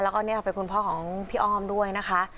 แล้วก็เนี่ยเป็นคุณพ่อของพี่อ้อมด้วยนะคะ